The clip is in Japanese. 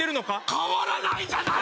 変わらないじゃない！